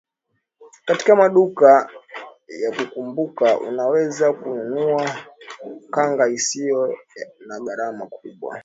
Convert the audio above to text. Katika maduka ya kukumbuka unaweza kununua kanga isiyo na gharama kubwa